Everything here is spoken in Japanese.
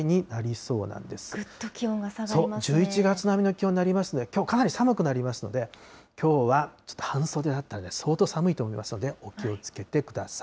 そう、１１月並みの気温になりますので、きょう、かなり寒くなりますので、きょうはちょっと半袖あたりは相当寒いと思いますので、お気をつけてください。